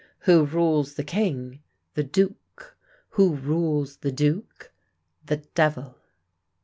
Who rules the king? The duke. Who rules the duke? The devil.